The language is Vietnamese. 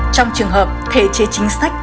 trong trường hợp thể chế chính sách